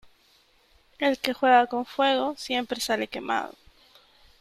El que juega con fuego siempre sale quemado.